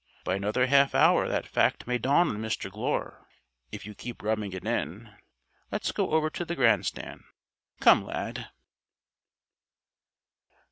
By another half hour that fact may dawn on Mr. Glure, if you keep rubbing it in. Let's go over to the grand stand. Come, Lad!"